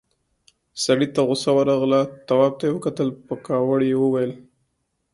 سړي ته غوسه ورغله، تواب ته يې وکتل، په کاوړ يې وويل: